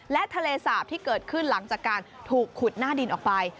และทะเลสาปที่เกิดขึ้นหลังจากการถูกขุดหน้าดินออกไป